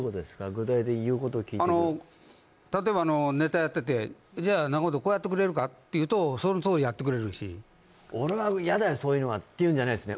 具体的に言うことを聞いてくれるあの例えばあのネタやってて「じゃ仲本こうやってくれるか？」って言うとそのとおりやってくれるし「俺は嫌だよそういうのは」っていうんじゃないんすね